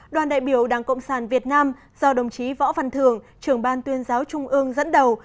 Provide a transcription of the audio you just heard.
đoàn đại biểu đảng cộng sản việt nam do đồng chí võ văn thường trưởng ban tuyên giáo trung ương dẫn đầu